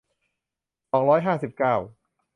สองร้อยห้าสิบเก้า